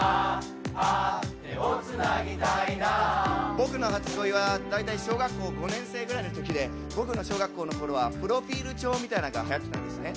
僕の初恋は大体小学校５年生ぐらいのときで僕の小学校のころはプロフィール帳みたいなのがはやってたんですね。